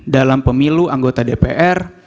dalam pemilu anggota dpr